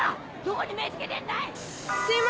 どこに目ぇつけてんだい！